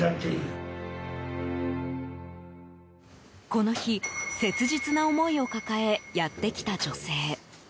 この日、切実な思いを抱えやって来た女性。